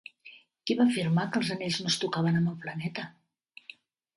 Qui va afirmar que els anells no es tocaven amb el planeta?